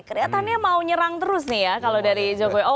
kedatannya mau nyerang terus nih ya kalau dari jogja